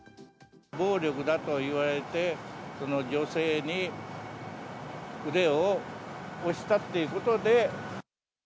暴力だと言われて、その女性に、腕を押したっていうことで。